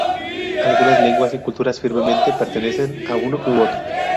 Algunas lenguas y culturas firmemente pertenecer a uno u otro.